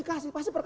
atau huruf d